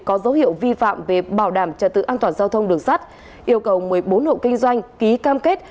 có dấu hiệu vi phạm về bảo đảm trật tự an toàn giao thông đường sắt yêu cầu một mươi bốn hộ kinh doanh ký cam kết